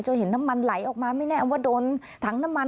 เห็นน้ำมันไหลออกมาไม่แน่ว่าโดนถังน้ำมัน